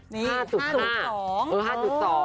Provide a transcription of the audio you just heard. ๕๒เลยหรอ